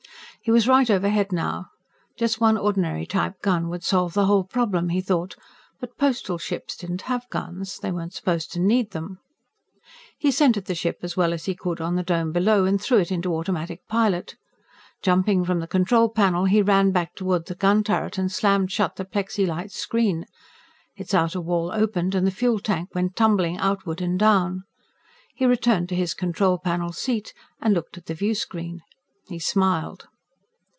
He was right overhead now. Just one ordinary type gun would solve the whole problem, he thought. But Postal Ships didn't get guns. They weren't supposed to need them. He centered the ship as well as he could on the Dome below and threw it into automatic pilot. Jumping from the control panel, he ran back toward the gun turret and slammed shut the plexilite screen. Its outer wall opened and the fuel tank went tumbling outward and down. He returned to his control panel seat and looked at the viewscreen. He smiled.